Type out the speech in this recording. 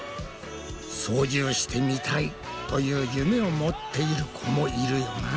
「操縦してみたい」という夢を持っている子もいるよな。